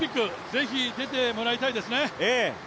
ぜひ、出てもらいたいですね。